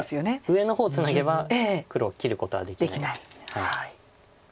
上の方をツナげば黒を切ることはできないです。